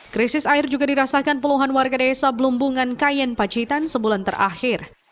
krisis air juga dirasakan puluhan warga desa blumbungan kayen pacitan sebulan terakhir